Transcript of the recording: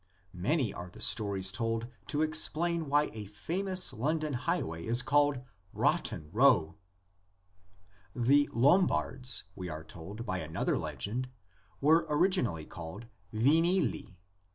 Many are the stories told to explain why a famous London highway is called "Rotten Row" {Route en rot) . The Lombards, we are told by another legend, were originally called Winili.